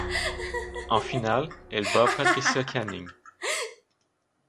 En finale, elle bat Patricia Canning.